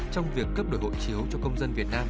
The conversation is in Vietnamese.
trong việc cấp đổi hộ chiếu cho công dân việt nam